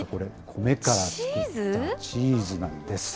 コメから作ったチーズなんです。